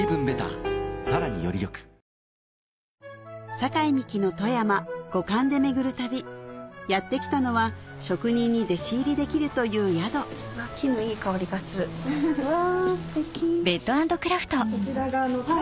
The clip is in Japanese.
酒井美紀の富山五感で巡る旅やって来たのは職人に弟子入りできるという宿木のいい香りがするわぁステキ。